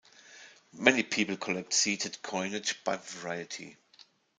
Many people collect seated coinage by variety.